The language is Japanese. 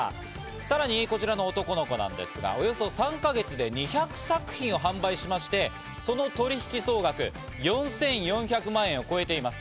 さらにこちらの男の子なんですが、およそ３か月で２００作品を販売しまして、その取引総額４４００万円を超えています。